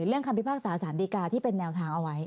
เรื่องคำพิพากษาสาธารณิกาที่เป็นแนวทางเอาไว้